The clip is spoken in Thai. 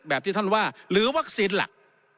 ที่ท่านว่าหรือวัคซีนหลัก